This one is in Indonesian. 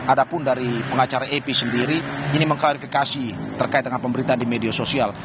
ada pun dari pengacara ap sendiri ini mengklarifikasi terkait dengan pemberitaan di media sosial